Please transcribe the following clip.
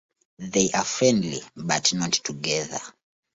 They are friendly, but not "together".